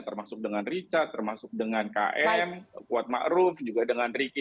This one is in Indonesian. termasuk dengan richard termasuk dengan km kuat ma'ruf juga dengan ricky